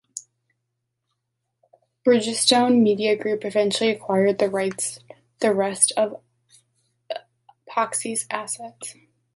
Bridgestone Media Group eventually acquired the rights the rest of Epyx's assets.